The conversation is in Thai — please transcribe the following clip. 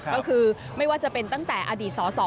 ก็คือไม่ว่าจะเป็นตั้งแต่อดีตสส